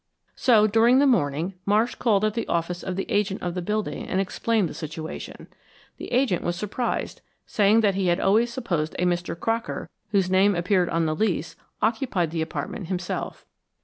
So during the morning, Marsh called at the office of the agent of the building and explained the situation. The agent was surprised, saying that he had always supposed a Mr. Crocker, whose name appeared on the lease, occupied the apartment himself.